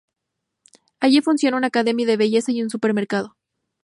Allí funciona una academia de belleza y un supermercado.